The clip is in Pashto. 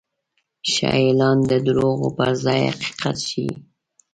ښه اعلان د دروغو پر ځای حقیقت ښيي.